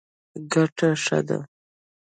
ګټه ښه ده.